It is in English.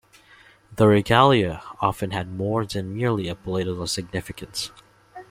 The regalia often had more than merely a political significance.